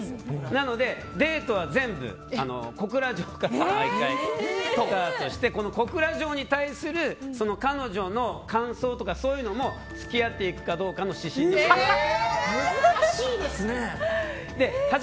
なので、デートは全部小倉城からスタートしてこの小倉城に対する彼女の感想とかそういうのも付き合っていくかの指針にしていました。